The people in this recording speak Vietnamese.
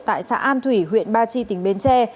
tại xã an thủy huyện ba chi tỉnh bến tre